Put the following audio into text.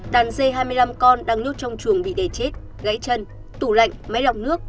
đàn dây hai mươi năm con đang nhốt trong chuồng bị đẻ chết gãy chân tủ lạnh máy lọc nước